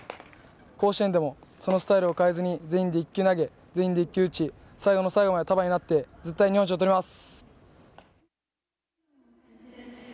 甲子園でもそのスタイルを変えずに全員で一球投げ、全員で一球打ち最後の最後まで束になって絶対日本一をとります。